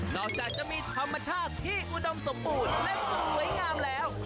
จากจะมีธรรมชาติที่อุดมสมบูรณ์และสวยงามแล้ว